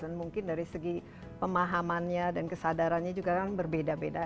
dan mungkin dari segi pemahamannya dan kesadarannya juga kan berbeda beda